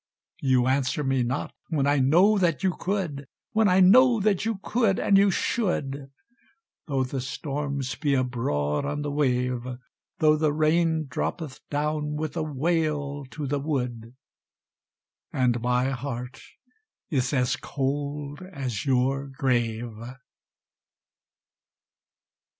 "You answer me not when I know that you could When I know that you could and you should; Though the storms be abroad on the wave; Though the rain droppeth down with a wail to the wood, And my heart is as cold as your grave!"